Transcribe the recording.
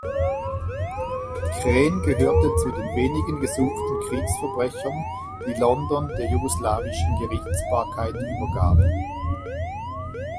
Kren gehörte zu den wenigen gesuchten Kriegsverbrechern, die London der jugoslawischen Gerichtsbarkeit übergab.